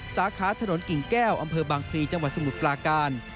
สาขาถนนกิ่งแก้วอำเภอบางพลีจังหวัดสมุทรปลาการ